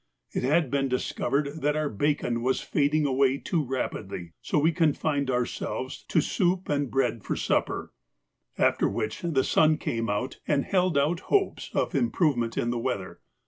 It had been discovered that our bacon was fading away too rapidly, so we confined ourselves to soup and bread for supper, after which the sun came out and held out hopes of improvement in the weather.